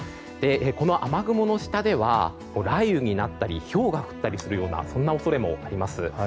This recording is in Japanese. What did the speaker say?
この雨雲の下では雷雨になったりひょうが降ったりするようなそんな恐れもあります。